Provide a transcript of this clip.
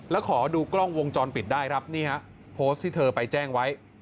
แล้วขอดูกล้องวงจรปิดได้ครับนี่ฮะโพสต์ที่เธอไปแจ้งไว้